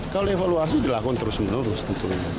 kalau evaluasi dilakukan terus menerus tentunya